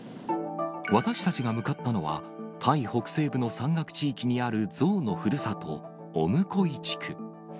私たちが向かったのは、タイ北西部の山岳地域にあるゾウのふるさと、オムコイ地区。